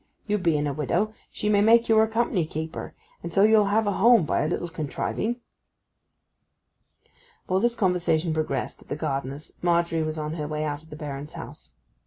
You being a widow, she may make you her company keeper; and so you'll have a home by a little contriving.' While this conversation progressed at the gardener's Margery was on her way out of the Baron's house.